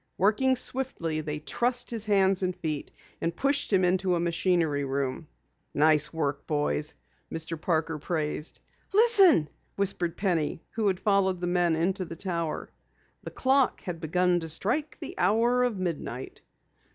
Working swiftly, they trussed his hands and feet and pushed him into a machinery room. "Nice work, boys," Mr. Parker praised. "Listen!" whispered Penny, who had followed the men into the Tower. The clock had begun to strike the hour of midnight.